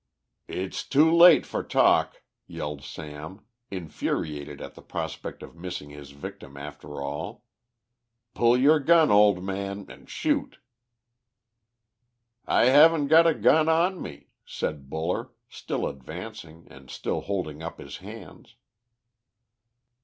"It's too late for talk," yelled Sam, infuriated at the prospect of missing his victim after all; "pull your gun, old man, and shoot." "I haven't got a gun on me," said Buller, still advancing, and still holding up his hands.